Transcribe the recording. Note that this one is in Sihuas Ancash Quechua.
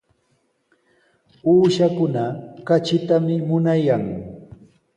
Uushakuna katritami munayan.